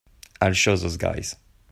I'll show those guys.